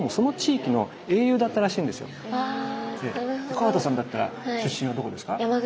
河田さんだったら出身はどこですか？